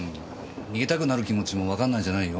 逃げたくなる気持ちもわかんないじゃないよ。